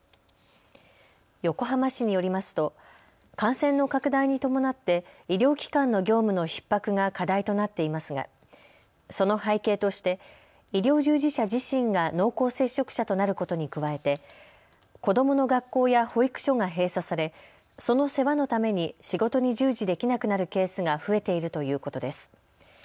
横浜市によりますと感染の拡大に伴って医療機関の業務のひっ迫が課題となっていますがその背景として医療従事者自身が濃厚接触者となることに加えて子どもの学校や保育所が閉鎖されその世話のために仕事に従事できなくなるケースが増えているということです。